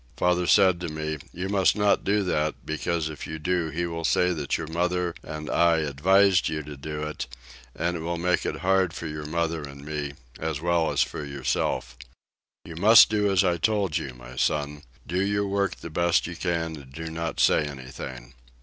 Father said to me, "You must not do that, because if you do he will say that your mother and I advised you to do it, and it will make it hard for your mother and me, as well as for yourself. You must do as I told you, my son: do your work the best you can, and do not say anything."